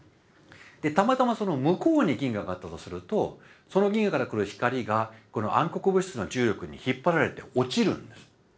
たまたまその向こうに銀河があったとするとその銀河から来る光が暗黒物質の重力に引っ張られて落ちるんです。